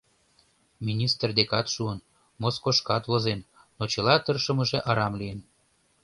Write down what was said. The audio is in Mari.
Министр декат шуын, Москошкат возен, но чыла тыршымыже арам лийын.